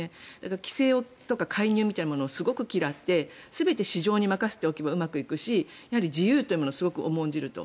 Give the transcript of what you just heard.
規制とか介入みたいなものをすごく嫌って全て市場に任せておけばうまくいくというやはり自由というものを重んじると。